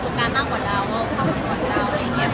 ช่องความหล่อของพี่ต้องการอันนี้นะครับ